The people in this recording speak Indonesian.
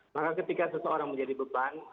maka ketika seseorang menjadi beban